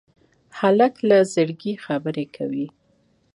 هلک له زړګي خبرې کوي.